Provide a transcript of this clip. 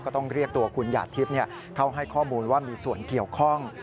ก็ต้องเรียกตัวคุณหยาดทิพย์เข้าให้ข้อมูลว่ามีส่วนเกี่ยวข้อง